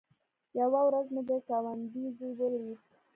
يوه ورځ مې د گاونډي زوى وليد.